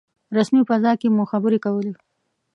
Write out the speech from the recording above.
رسمي فضا کې مو خبرې کولې.